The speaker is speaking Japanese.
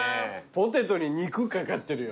ポテトに肉掛かってるよ。